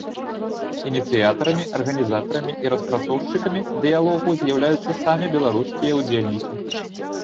Ініцыятарамі, арганізатарамі і распрацоўшчыкамі дыялогу з'яўляюцца самі беларускія ўдзельнікі.